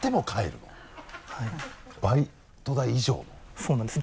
そうなんですよ。